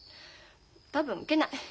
多分受けない。